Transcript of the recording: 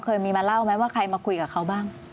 เคยมีมาเล่าไหมว่าใครมาคุยกับเขาบ้าง